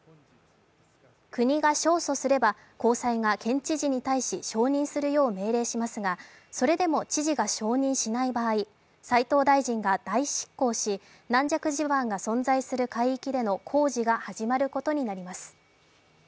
国が勝訴すれば、高裁が県知事に対し承認するよう命令しますが、それでも知事が承認しない場合、斉藤大臣が代執行し、軟弱地盤が存在する海域での工事が始まることになります。